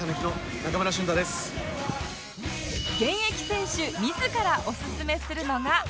現役選手自らおすすめするのが